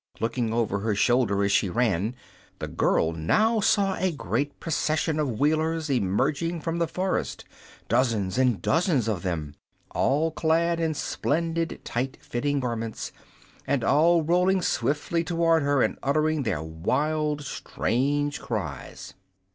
Looking over her shoulder as she ran, the girl now saw a great procession of Wheelers emerging from the forest dozens and dozens of them all clad in splendid, tight fitting garments and all rolling swiftly toward her and uttering their wild, strange cries.